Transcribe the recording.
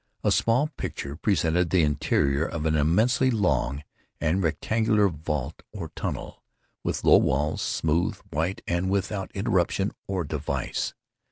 A small picture presented the interior of an immensely long and rectangular vault or tunnel, with low walls, smooth, white, and without interruption or device.